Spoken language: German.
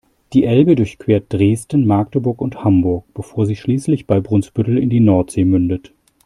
Die Elbe durchquert Dresden, Magdeburg und Hamburg, bevor sie schließlich bei Brunsbüttel in die Nordsee mündet.